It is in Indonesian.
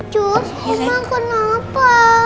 cus oma kenapa